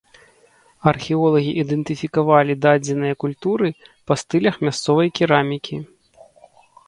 Археолагі ідэнтыфікавалі дадзеныя культуры па стылях мясцовай керамікі.